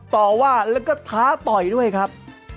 ต่อว่าแล้วก็ท้าต่อยด้วยครับ